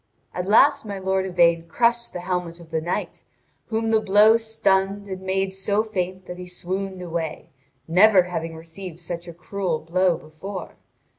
At last my lord Yvain crushed the helmet of the knight, whom the blow stunned and made so faint that he swooned away, never having received such a cruel blow before.